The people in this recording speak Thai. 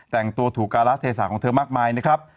แต่งตัวถูกการะเทศะของเธอมากมายนะครับ